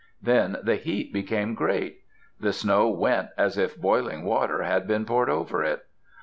Then the heat became great. The snow went as if boiling water had been poured over it.